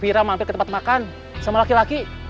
bira mampir ke tempat makan sama laki laki